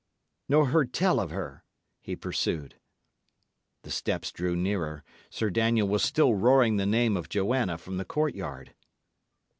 "Nor heard tell of her?" he pursued. The steps drew nearer. Sir Daniel was still roaring the name of Joanna from the courtyard.